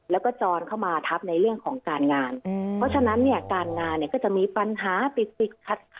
แล้วก็จรเข้ามาทับในเรื่องของการงานเพราะฉะนั้นเนี่ยการงานเนี่ยก็จะมีปัญหาติดติดขัด